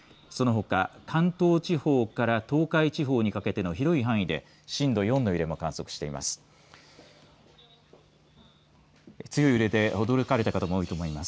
そのほか関東地方から東海地方にかけての広い範囲で震度４の揺れも観測しています。